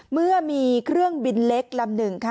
เมื่อมีเครื่องบินเล็กลำหนึ่งค่ะ